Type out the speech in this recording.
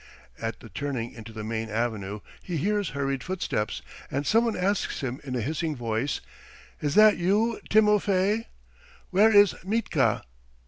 At the turning into the main avenue he hears hurried footsteps, and someone asks him, in a hissing voice: "Is that you, Timofey? Where is Mitka?"